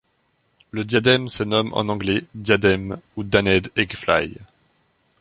Le Diadème se nomme en anglais Diadem ou Danaid Eggfly.